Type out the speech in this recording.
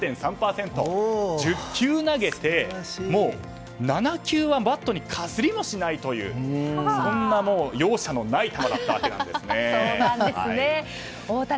１０球投げて７球はバットにかすりもしないという容赦のない球だったんですね。